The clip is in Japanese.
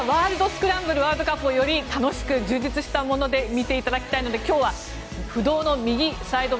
スクランブルワールドカップをより楽しく充実したもので見ていきたいので今日は不動の右サイド